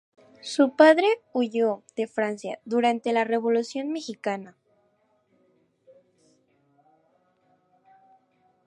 Su padre huyó de Francia durante la Revolución francesa.